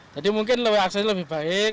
jadi mungkin aksesnya lebih baik